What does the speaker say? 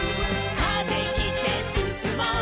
「風切ってすすもう」